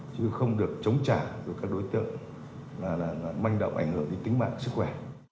chứ không được chống trả của các đối tượng là manh động ảnh hưởng đến tính mạng sức khỏe